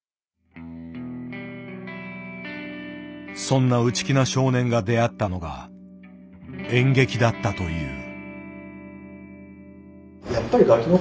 そんな内気な少年が出会ったのが演劇だったという。